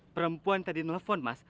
perempuan tadi nelfon mas